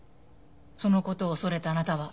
その事を恐れたあなたは。